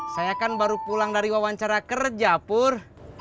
saya kan baru pulang dari wawancara kerja pur